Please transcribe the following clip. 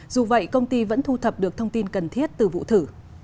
dù vậy công ty vẫn thu thập được thông tin cần thiết từ vụ thử